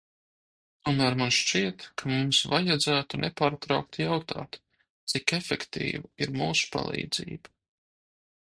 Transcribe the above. Tomēr man šķiet, ka mums vajadzētu nepārtraukti jautāt, cik efektīva ir mūsu palīdzība.